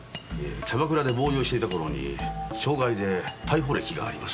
キャバクラでボーイをしていた頃に傷害で逮捕歴があります。